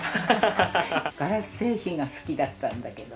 ガラス製品が好きだったんだけど。